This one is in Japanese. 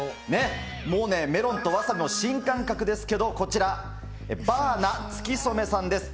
もうね、メロンとワサビの新感覚ですけど、こちら、バーナつきそめさんです。